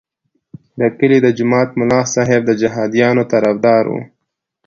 د کلي د جومات ملا صاحب د جهادیانو طرفدار وو.